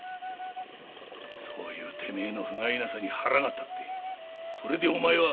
そういうてめえの不甲斐なさに腹が立ってそれでお前は。